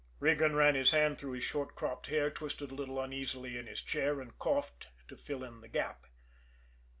Regan ran his hand through his short cropped hair, twisted a little uneasily in his chair and coughed to fill in the gap.